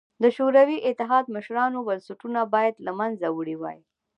د شوروي اتحاد مشرانو بنسټونه باید له منځه وړي وای